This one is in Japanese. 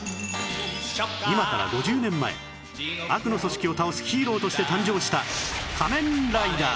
今から５０年前悪の組織を倒すヒーローとして誕生した仮面ライダー